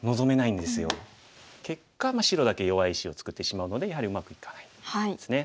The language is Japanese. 結果白だけ弱い石を作ってしまうのでやはりうまくいかないんですね。